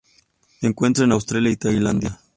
Se encuentra en Australia y Tailandia.